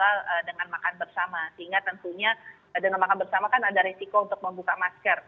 tinggal dengan makan bersama sehingga tentunya dengan makan bersama kan ada resiko untuk membuka masker